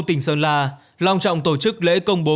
tỉnh sơn la long trọng tổ chức lễ công bố